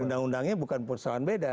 undang undangnya bukan persoalan beda